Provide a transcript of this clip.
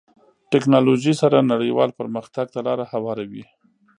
ټکنالوژي سره نړیوال پرمختګ ته لاره هواروي.